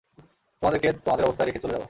তোমাদেরকে তোমাদের অবস্থায় রেখে চলে যাব।